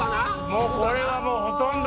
これはもうほとんど。